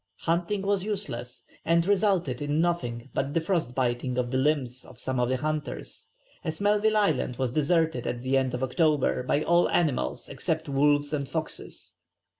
Hunting was useless, and resulted in nothing but the frost biting of the limbs of some of the hunters, as Melville Island was deserted at the end of October by all animals except wolves and foxes.